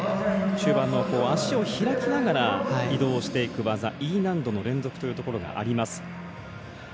中盤の足を開きながら移動をしていく技、Ｅ難度の連続というところがあります。